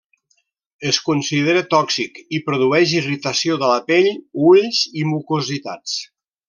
Es considera tòxic i produeix irritació de la pell, ulls i mucositats.